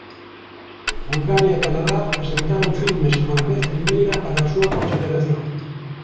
Bulgaria e o Canadá presentaron filmes por vez primeira para a súa consideración.